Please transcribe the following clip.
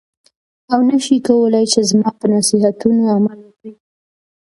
او نه شې کولای چې زما په نصیحتونو عمل وکړې.